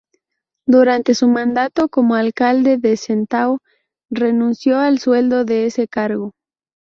Durante su mandato como Alcalde de Sestao, renunció al sueldo de ese cargo.